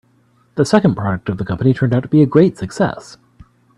The second product of the company turned out to be a great success.